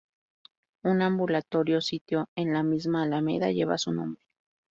Un ambulatorio sito en la misma alameda lleva su nombre.